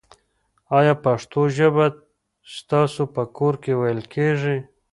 آیا پښتو ژبه ستاسو په کور کې ویل کېږي؟